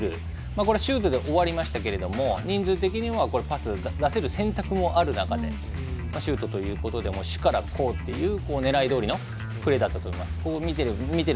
これはシュートで終わりましたが人数的にはパスを出せる選択もある中でシュートということで守から攻という狙いどおりのプレーだったと思います。